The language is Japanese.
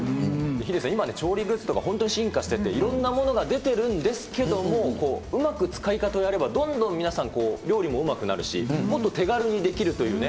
ヒデさん、今ね、調理グッズとか本当に進化してて、いろんなものが出ているんですけれども、うまく使い方をやれば、どんどん皆さん、料理もうまくなるし、もっと手軽にできるというね。